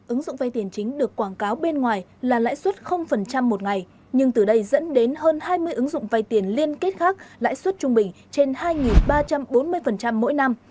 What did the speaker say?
ứng dụng vay tiền chính được quảng cáo bên ngoài là lãi suất một ngày nhưng từ đây dẫn đến hơn hai mươi ứng dụng vay tiền liên kết khác lãi suất trung bình trên hai ba trăm bốn mươi mỗi năm